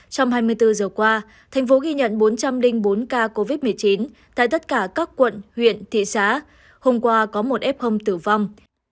trong hai mươi bốn giờ qua thành phố ghi nhận bốn trăm linh bốn ca covid một mươi chín tại tất cả các quận huyện thị xã hôm qua có một f tử vong